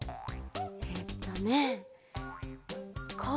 えっとねこ